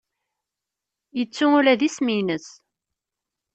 Yettu ula d isem-nnes.